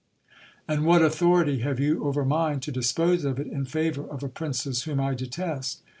And what authority have you over mine to dispose of it in favour of a princess whom I detest